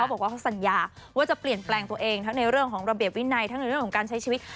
บอกว่าเขาสัญญาว่าจะเปลี่ยนแปลงตัวเองทั้งในเรื่องของระเบียบวินัยทั้งในเรื่องของการใช้ชีวิต